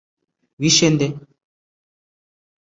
wishe nde